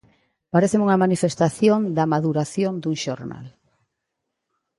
Paréceme unha manifestación da maduración dun xornal.